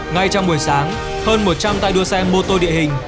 ngay trong buổi sáng hơn một trăm linh tay đua xe mô tô địa hình